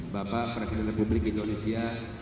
bapak presiden republik indonesia